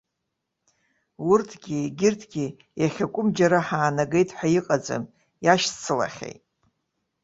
Урҭгьы егьырҭгьы иахьакәым џьара ҳаанагеит ҳәа иҟаӡам, иашьцылахьеит.